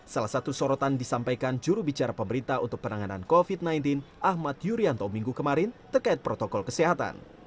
salah satu sorotan disampaikan jurubicara pemerintah untuk penanganan covid sembilan belas ahmad yuryanto minggu kemarin terkait protokol kesehatan